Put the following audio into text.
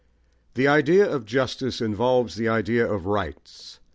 The idea of justice involves the idea of rights.